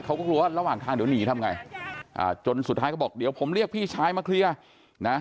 เขาก็กลัวว่าระหว่างทางเดี๋ยวหนีทำไงอ่าจนสุดท้ายเขาบอกเดี๋ยวผมเรียกพี่ชายมาเคลียร์นะ